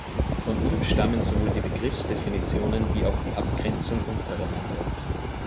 Von ihm stammen sowohl die Begriffsdefinitionen wie auch die Abgrenzung untereinander.